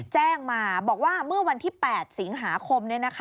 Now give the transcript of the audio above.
แจ้งมาบอกว่าเมื่อวันที่๘สิงหาคม